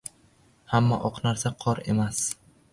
• Hamma oq narsa qor emas.